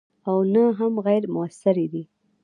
او نه هم غیر موثرې دي.